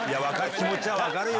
気持ちは分かるよ。